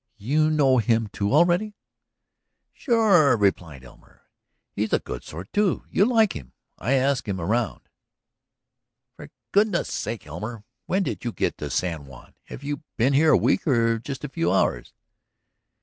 "You know him too, already?" "Sure," replied Elmer. "He's a good sort, too, You'll like him. I asked him around." "For goodness' sake, Elmer, when did you get to San Juan? Have you been here a week or just a few hours?"